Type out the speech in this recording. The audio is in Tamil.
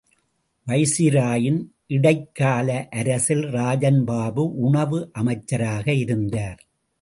வைசியராயின் இடைக்கால அரசில் ராஜன்பாபு உணவு அமைச்சராக இருந்தார்.